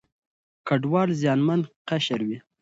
کډوال زیانمن قشر وي.